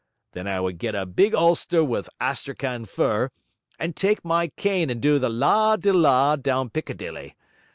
Then I would get a big ulster with astrakhan fur, and take my cane and do the la de la down Piccadilly.